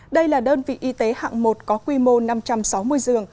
đây là đơn vị y tế hạng một có quy mô năm trăm sáu mươi giường